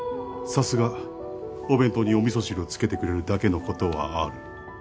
さすがお弁当におみそ汁を付けてくれるだけのことはある。